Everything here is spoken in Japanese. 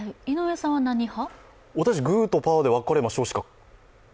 私はグーとパーで分かれましょしか。